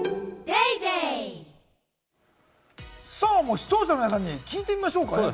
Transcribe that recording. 視聴者の皆さんに聞いてみましょうか。